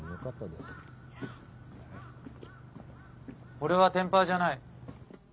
俺は天パーじゃない。